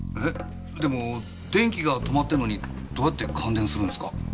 でも電気が止まってるのにどうやって感電するんですか？